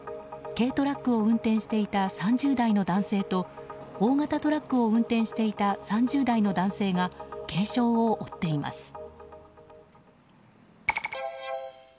軽トラックを運転していた３０代の男性と大型トラックを運転していた３０代の男性が軽傷を負っています。